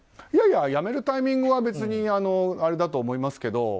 いやいや、辞めるタイミングは別にあれだと思いますけど。